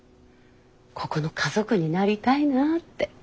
ここの家族になりたいなって。